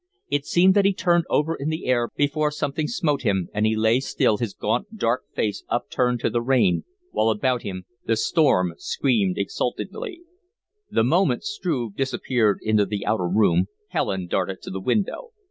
It seemed that he turned over in the air before something smote him and he lay still, his gaunt, dark face upturned to the rain, while about him the storm screamed exultantly. The moment Struve disappeared into the outer room Helen darted to the window.